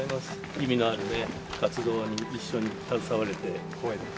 意味のあるね活動に一緒に携われて光栄です